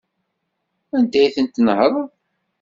Anda ay ten-tnehṛeḍ?